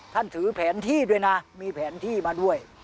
ถือแผนที่ด้วยนะมีแผนที่มาด้วย